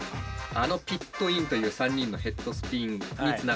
あのピットインという３人のヘッドスピンにつながるルーティーン。